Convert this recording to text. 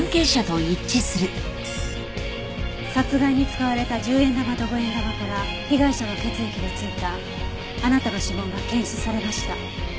殺害に使われた１０円玉と５円玉から被害者の血液で付いたあなたの指紋が検出されました。